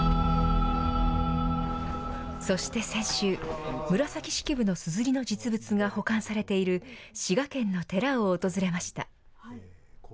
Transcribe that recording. そして先週、紫式部のすずりの実物が保管されている滋賀県の寺を訪れました。